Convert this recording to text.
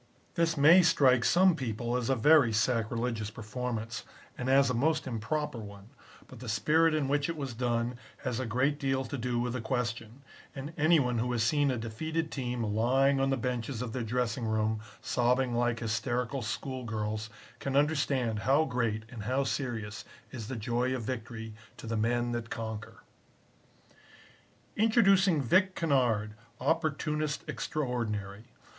This may strike some people as a very sacrilegious performance and as a most improper one, but the spirit in which it was done has a great deal to do with the question, and any one who has seen a defeated team lying on the benches of their dressing room, sobbing like hysterical school girls, can understand how great and how serious is the joy of victory to the men that conquer." Introducing Vic Kennard, opportunist extraordinary.